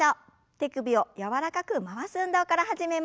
手首を柔らかく回す運動から始めます。